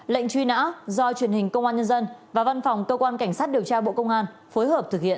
lệnh truy nã do truyền hình công an nhân dân và văn phòng cơ quan cảnh sát điều tra bộ công an phối hợp thực hiện